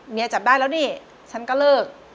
จับได้แล้วนี่ฉันก็เลิก